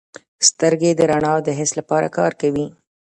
سترګې د رڼا د حس لپاره کار کوي.